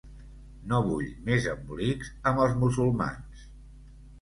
No vull més embolics amb els musulmans.